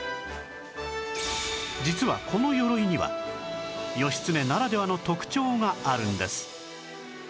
実はこの鎧には義経ならではの特徴があるんです